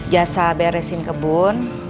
jasa beresin kebun